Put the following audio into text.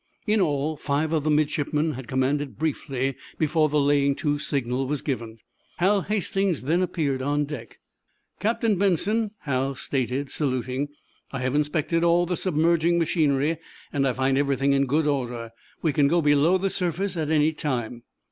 In all, five of the midshipmen had commanded briefly before the laying to signal was given. Hal Hastings then appeared on deck. "Captain Benson," Hal stated, saluting, "I have inspected all the submerging machinery, and I find everything in good order. We can go below the surface at any time."